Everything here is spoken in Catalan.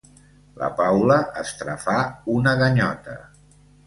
La Paula estrafà una ganyota.